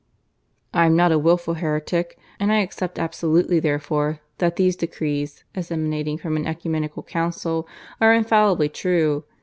I'm not a wilful heretic, and I accept absolutely therefore that these decrees, as emanating from an ecumenical council, are infallibly true.